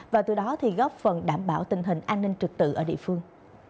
và từ đó thì góp phần đảm bảo tình hình an ninh trực tự ở địa phương